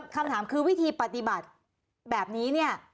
คำถามคือวิธีปฏิบัติแบบนี้เนี่ย